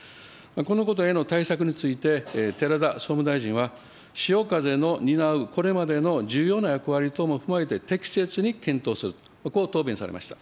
このことへの対策について、寺田総務大臣は、しおかぜの担う、これまでの重要な役割等も踏まえて、適切に検討すると、こう答弁されました。